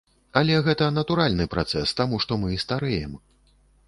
Але гэта натуральны працэс, таму што мы старэем.